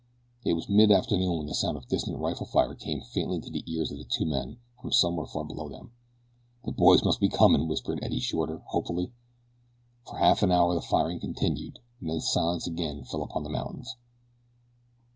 It was midafternoon when the sound of distant rifle fire came faintly to the ears of the two men from somewhere far below them. "The boys must be comin'," whispered Eddie Shorter hopefully. For half an hour the firing continued and then silence again fell upon the mountains.